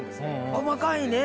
細かいね。